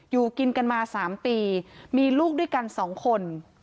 อยู่กินกันมา๓ปีมีลูกด้วยกัน๒คน